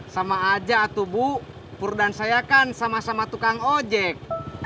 sama aja tuh bu pur dan saya kan sama sama tukang ojek